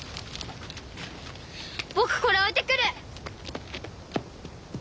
僕これ置いてくる！